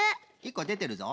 １こでてるぞ。